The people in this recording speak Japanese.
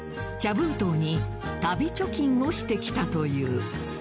封筒に旅貯金をしてきたという。